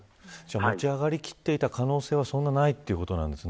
持ち上がりきっていた可能性はそんなにないということなんですね。